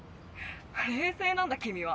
冷静なんだ君は。